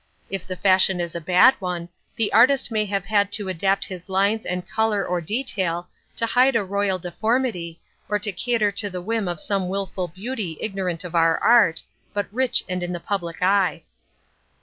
If the fashion is a bad one the artist may have had to adapt his lines and colour or detail to hide a royal deformity, or to cater to the whim of some wilful beauty ignorant of our art, but rich and in the public eye.